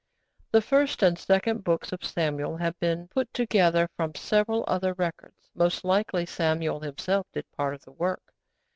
The first and second Books of Samuel have been put together from several other records. Most likely Samuel himself did part of the work.